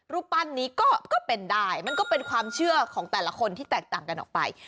รูปปั้นนี้ก็เป็นได้มันก็เป็นความเชื่อของแต่ละคนที่แตกต่างกันออกไป